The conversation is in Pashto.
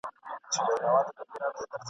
هم پخپله څاه کینو هم پکښي لوېږو !.